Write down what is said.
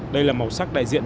đây là màu sắc đại diện